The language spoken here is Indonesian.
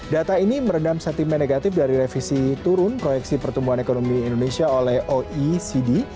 data ini meredam sentimen negatif dari revisi turun proyeksi pertumbuhan ekonomi indonesia oleh oecd